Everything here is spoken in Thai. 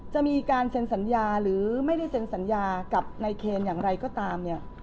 จะมีการเซ็นสัญญาหรือไม่ได้เซ็นสัญญากับนายเคนอย่างไรก็ตามเนี่ย